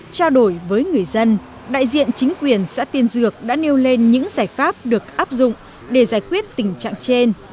trao đổi với người dân đại diện chính quyền xã tiên dược đã nêu lên những giải pháp được áp dụng để giải quyết tình trạng trên